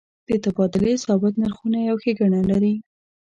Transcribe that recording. د تبادلې ثابت نرخ یو ښیګڼه لري.